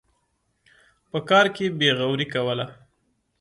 په کار کې بېغوري کوله.